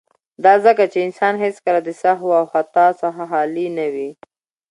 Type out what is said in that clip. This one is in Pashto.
، دا ځکه چې انسان هيڅکله د سهو او خطا څخه خالي نه وي.